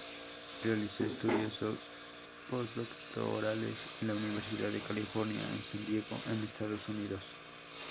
Realizó estudios posdoctorales en la Universidad de California en San Diego en Estados Unidos.